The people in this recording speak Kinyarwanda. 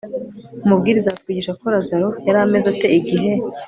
mu mubwiriza hatwigisha ko lazaro yari ameze ate igihe